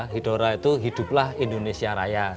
hidora itu hiduplah indonesia raya